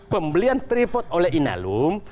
pembelian tripod oleh inalum